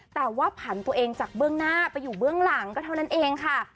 แต่ว่าผันตัวเองจากเบื้องหน้าไปอยู่เบื้องหลังก็เท่านั้นเองค่ะ